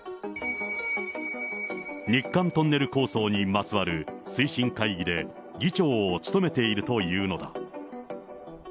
日韓トンネル構想にまつわる推進会議で議長を務めているというのだ。